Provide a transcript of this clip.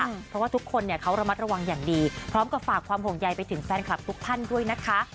เพราะว่าทุกคนเนี่ยเขาระมัดระวังอย่างดีพร้อมกับฝากความห่วงใยไปถึงแฟนคลับทุกท่านด้วยนะคะ